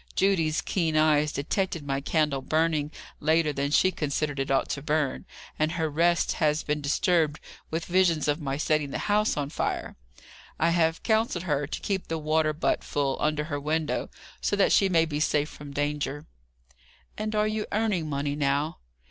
Judy's keen eyes detected my candle burning later than she considered it ought to burn, and her rest has been disturbed with visions of my setting the house on fire. I have counselled her to keep the water butt full, under her window, so that she may be safe from danger." "And are you earning money now?"